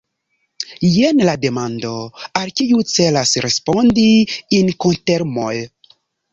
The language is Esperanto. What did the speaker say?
Jen la demando, al kiu celas respondi Inkotermoj.